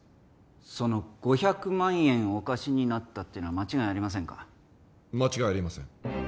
その５００万円をお貸しになったっていうのは間違いありませんか間違いありません